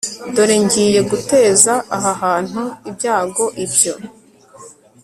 dore ngiye guteza aha hantu ibyago ibyo